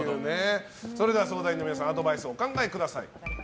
それでは相談員の皆さんアドバイスをお考えください。